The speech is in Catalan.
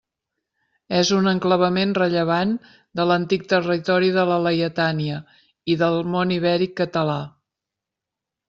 És un enclavament rellevant de l'antic territori de la Laietània i del món ibèric català.